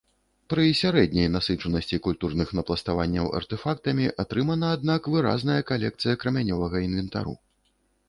Пры сярэдняй насычанасці культурных напластаванняў артэфактамі атрымана, аднак, выразная калекцыя крамянёвага інвентару.